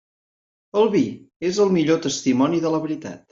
El vi és el millor testimoni de la veritat.